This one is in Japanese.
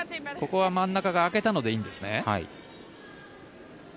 ここは真ん中を開けたのでいいんですね？